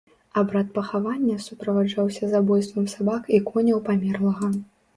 Абрад пахавання суправаджаўся забойствам сабак і коняў памерлага.